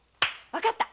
分かった！